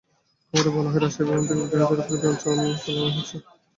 খবরে বলা হয়, রাশিয়ার বিমান থেকে বিদ্রোহীদের ওপর বিমান হামলা চালানো হচ্ছে।